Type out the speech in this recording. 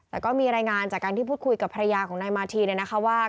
แต่ก็มีรายงานจากการที่พูดคุยกับภรรยาของนายมาทีเนี่ยนะคะว่า